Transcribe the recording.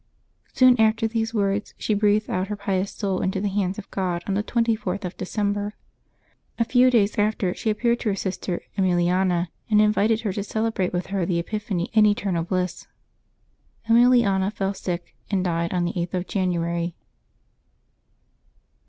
Soon after these words she breathed out her pious soul into the hands of God on the 24th of December. A few days after she appeared to her sister Emiliana, and invited her to celebrate with her the Epiphany in eternal bliss. Emiliana fell sick, and died on the 8th of January.